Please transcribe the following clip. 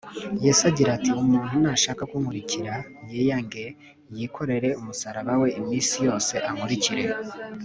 yesu agira ati, umuntu nashaka kunkurikira niyiyange, yikorere umusaraba we iminsi yose ankurikire